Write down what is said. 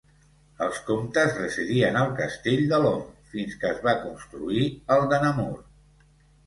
Els comtes residien al castell de Lomme fins que es va construir el de Namur.